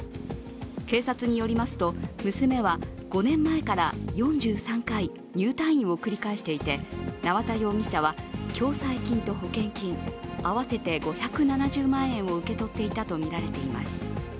警察によりますと、娘は５年前から４３回、入退院を繰り返していて縄田容疑者は共済金と保険金合わせて５７０万円を受け取っていたとみられています。